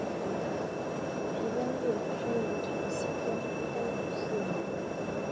皮光业生于唐僖宗干符四年。